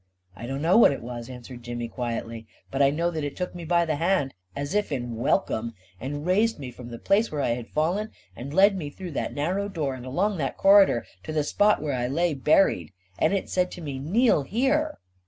" I don't know what it was," answered Jimmy, quietly; " but I know that it took me by the hand, as if in welcome, and raised me from the place where I had fallen, and led me through that narrow door, and along that corridor, to the spot where I lay buried ; and it said to me, ' Kneel here